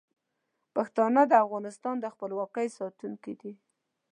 پښتانه د افغانستان د خپلواکۍ ساتونکي دي.